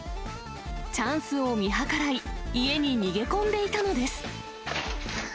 チャンスを見計らい、家に逃げ込んでいたのです。